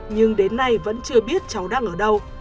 nhưng đến nay vẫn chưa biết cháu đang ở đâu